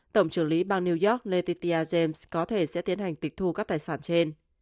tổng trưởng lý bang new york lea james có thể sẽ tiến hành tịch thu các tài sản trên